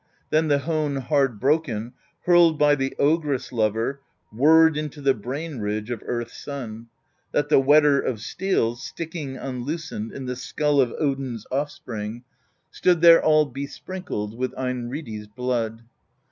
Then the hone hard broken Hurled by the Ogress lover Whirred into the brain ridge Of Earth's Son, that the whetter Of steels, sticking unloosened In the skull of Odin's off^spring. THE POESY OF SKALDS 121 Stood there all besprinkled With Einridi's blood.